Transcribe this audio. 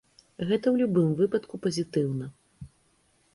Гэта ў любым выпадку пазітыўна.